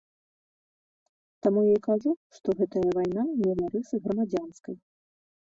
Таму я і кажу, што гэтая вайна мела рысы грамадзянскай.